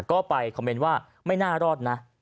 ก็ไปคอมเมนต์ว่าไม่น่ารอดนะ